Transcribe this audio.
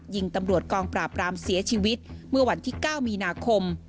ยิงตำรวจกองปราบรามเสียชีวิตเมื่อวันที่๙มีนาคม